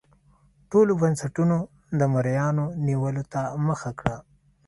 ټولو بنسټونو د مریانو نیولو ته مخه کړه.